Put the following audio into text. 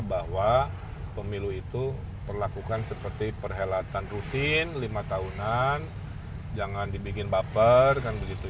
bahwa pemilu itu perlakukan seperti perhelatan rutin lima tahunan jangan dibikin baper kan begitu